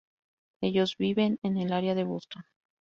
Ellos viven en el área de Boston.